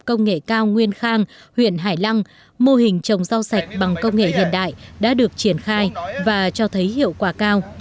công nghệ cao nguyên khang huyện hải lăng mô hình trồng rau sạch bằng công nghệ hiện đại đã được triển khai và cho thấy hiệu quả cao